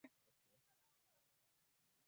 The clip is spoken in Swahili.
wasanii wa runinga wasanii wa video